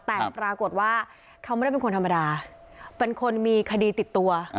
แต่ปรากฏว่าเขาไม่ได้เป็นคนธรรมดาเป็นคนมีคดีติดตัว